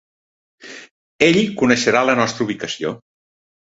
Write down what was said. Ell coneixerà la nostra ubicació.